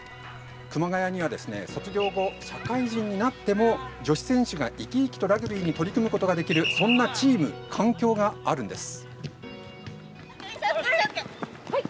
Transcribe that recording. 熊谷には卒業後、社会人になっても女子選手が生き生きとラグビーに取り組むことができる、そんなチーム環境があるんです。